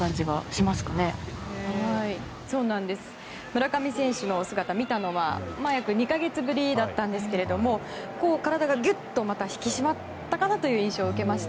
村上選手のお姿を見たのは２か月ぶりだったんですけれども体がギュッと引き締まったかなという印象を受けました。